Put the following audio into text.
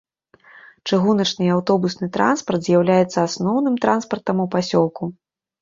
Чыгуначны і аўтобусны транспарт з'яўляецца асноўным транспартам у пасёлку.